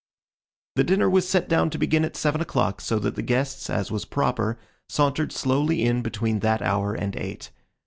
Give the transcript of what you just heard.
The dinner was set down to begin at seven o'clock, so that the guests, as was proper, sauntered slowly in between that hour and eight.